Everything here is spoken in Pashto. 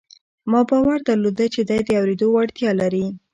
ما باور درلود چې دی د اورېدو وړتیا لري